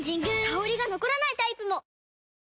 香りが残らないタイプも！